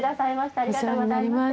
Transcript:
ありがとうございます。